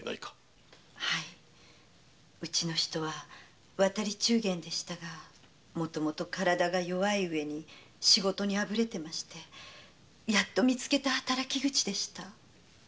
はいうちの人は渡り中間でしたがもともと体が弱いうえに仕事にあぶれてましてやっとみつけた働き口でした。